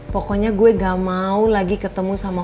pokoknya gue gak mau lagi ketemu sama